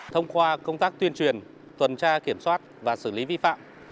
thông qua công tác tuyên truyền tuần tra kiểm soát và xử lý vi phạm